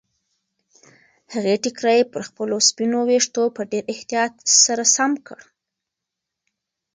هغې ټیکری پر خپلو سپینو ویښتو په ډېر احتیاط سره سم کړ.